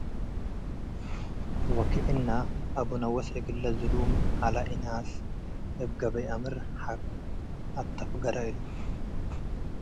ወክእነ አቡነወስ እግለ ዝሉም ዐለ እናስ እብ ገበይ አምር ሐቅ አተፍገረ እሉ።